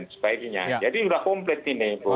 sebaiknya jadi sudah komplit ini